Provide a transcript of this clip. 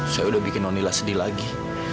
saya udah bikin nonila sedih lagi